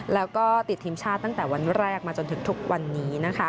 แล้วก็ติดทีมชาติตั้งแต่วันแรกมาจนถึงทุกวันนี้